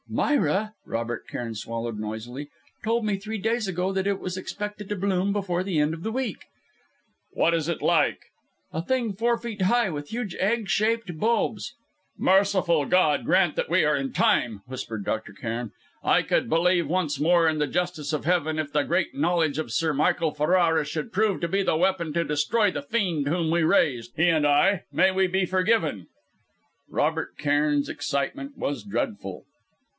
"Myra" Robert Cairn swallowed noisily "told me three days ago that it was expected to bloom before the end of the week." "What is it like?" "A thing four feet high, with huge egg shaped buds." "Merciful God grant that we are in time," whispered Dr. Cairn. "I could believe once more in the justice of Heaven, if the great knowledge of Sir Michael Ferrara should prove to be the weapon to destroy the fiend whom we raised! he and I may we be forgiven!"' Robert Cairn's excitement was dreadful.